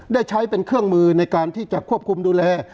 ได้ใช้เป็นเครื่องมือในการที่จะควบคุมดูแล